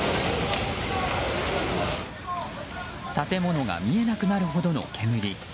建物が見えなくなるほどの煙。